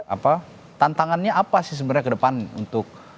apa tantangannya apa sih sebenarnya ke depan untuk